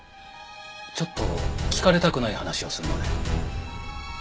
ちょっと聞かれたくない話をするので。